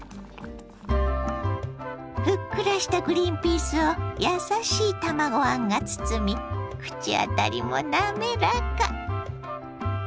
ふっくらしたグリンピースを優しい卵あんが包み口当たりもなめらか。